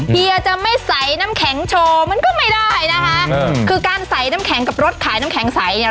เฮียจะไม่ใส่น้ำแข็งโชว์มันก็ไม่ได้นะคะคือการใส่น้ำแข็งกับรถขายน้ำแข็งใสเนี่ย